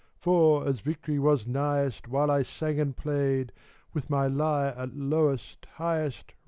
" For as victory was nighest, While I sang and played, — With my lyre at lowest, highest.